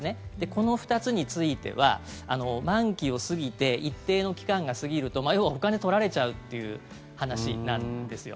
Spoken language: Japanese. この２つについては満期を過ぎて一定の期間が過ぎると要はお金、取られちゃうっていう話なんですよ。